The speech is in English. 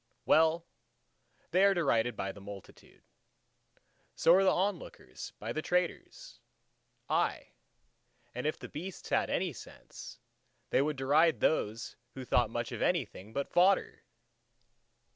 Well, they are derided by the multitude. So are the lookers on by the traders: aye, and if the beasts had any sense, they would deride those who thought much of anything but fodder!